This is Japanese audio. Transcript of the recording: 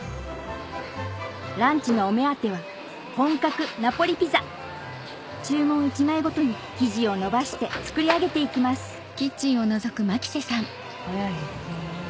ランチのお目当ては本格ナポリピザ注文１枚ごとに生地を伸ばして作り上げていきます早いですね。